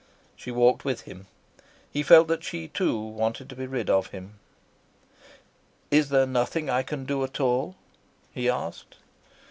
She walked with him. He felt that she too wanted to be rid of him. "Is there nothing I can do at all?" he asked.